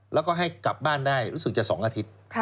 แล้วก็ให้กลับบ้านได้รู้สึกจะ๒อาทิตย์